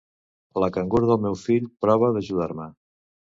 La cangur del meu fill prova d'ajudar-me.